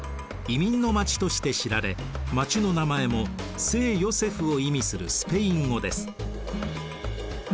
移民の街として知られ街の名前も聖ヨセフを意味するスペイン語です。